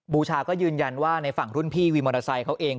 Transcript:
บูชาก็ยืนยันว่าในฝั่งรุ่นพี่วินมอเตอร์ไซค์เขาเอง